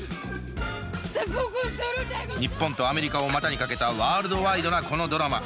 日本とアメリカを股にかけたワールドワイドなこのドラマ。